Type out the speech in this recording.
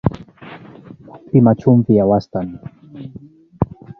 Pima chumvi ya wastani